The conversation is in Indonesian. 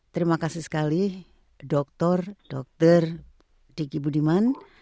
terima kasih sekali dr diki budiman